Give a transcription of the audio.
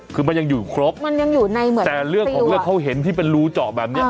คือมันยังอยู่ครบมันยังอยู่ในเหมือนแต่เรื่องของเรื่องเขาเห็นที่เป็นรูเจาะแบบเนี้ย